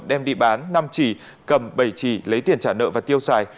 đem đi bán năm chỉ cầm bảy chỉ lấy tiền trả nợ và tiêu xài